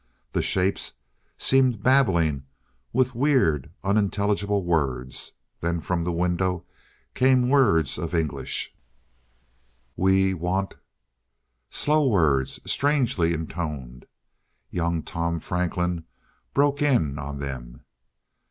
The shapes seemed babbling with weird unintelligible words. Then from the window came words of English: "_We want _" Slow words, strangely intoned. Young Tom Franklin broke in on them.